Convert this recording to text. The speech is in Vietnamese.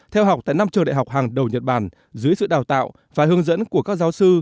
theo học tại năm trường đại học hàng đầu nhật bản dưới sự đào tạo và hướng dẫn của các giáo sư